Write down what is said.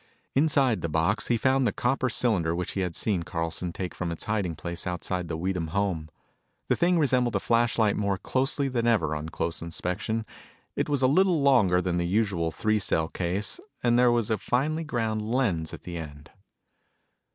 Inside the box he found the copper cylinder which he had seen Carlson take from its hiding place outside the Weedham home. The thing resembled a flashlight more closely than ever on close inspection. It was a little longer than the usual three cell case, and there was a finely ground lens at the end.